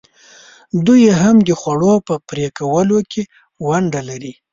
دوی هم د خوړو په پرې کولو کې ونډه لري.